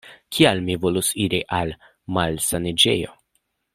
Kial mi volus iri al malsaniĝejo?